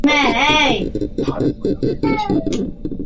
所以我们肯定会漏掉很多书。